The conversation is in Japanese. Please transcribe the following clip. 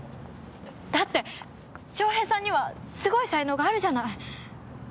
だって翔平さんにはすごい才能があるじゃない。